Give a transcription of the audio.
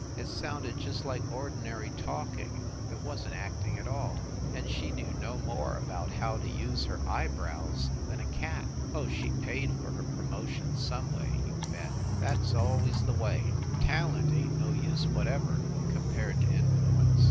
It sounded just like ordinary talking it wasn t acting at all. And she knew no more about how to use her eye brows than a cat. Oh, she paid for her pro motion some way, you bet ! That s always the way. Talent ain t no use whatever, compared to influence.